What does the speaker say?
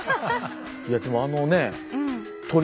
いやでもあのね鳥。